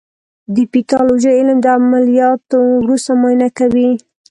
د پیتالوژي علم د عملیاتو وروسته معاینه کوي.